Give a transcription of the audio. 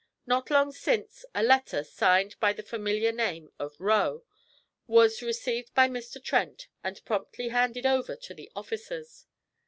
Not long since a letter, signed by the familiar name of "Roe," was received by Mr. Trent and promptly handed over to the officers.